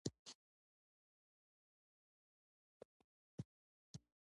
ما تل غوښتل چې سفر وکړم او نړۍ وګورم